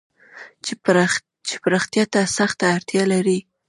چې پراختيا ته سخته اړتيا لري.